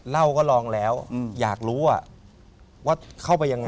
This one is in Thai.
เหล้าก็ลองแล้วอยากรู้ว่าเข้าไปยังไง